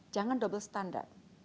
jangan double standard